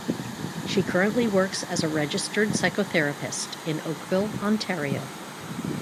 She currently works as a Registered Psychotherapist in Oakville, Ontario.